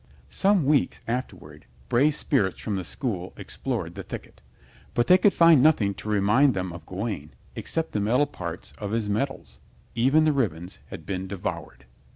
Some weeks afterward brave spirits from the school explored the thicket, but they could find nothing to remind them of Gawaine except the metal parts of his medals. Even the ribbons had been devoured.